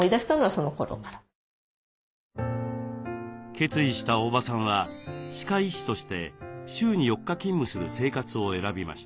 決意した大庭さんは歯科医師として週に４日勤務する生活を選びました。